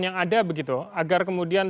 yang ada begitu agar kemudian